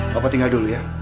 papa tinggal dulu ya